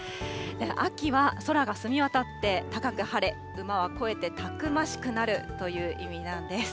秋は空が澄み渡って高く晴れ、馬は肥えてたくましくなるという意味なんです。